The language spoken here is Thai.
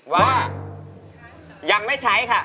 ว่ายังไม่ใช้ค่ะ